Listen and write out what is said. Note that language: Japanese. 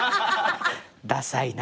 ダサいな。